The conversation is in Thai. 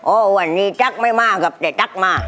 โอ้ววันนี้ตั๊กไม่มากับเจ๊ตั๊กมา